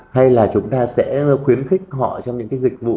hay là chúng ta sẽ khuyến khích họ trong những cái dịch vụ